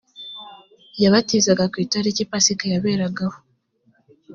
yabatizaga ku italiki pasika yaberagaho